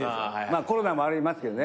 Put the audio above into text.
まあコロナもありますけどね。